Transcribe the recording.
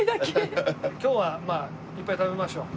今日はいっぱい食べましょう。